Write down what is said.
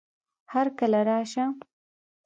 هرکله راشه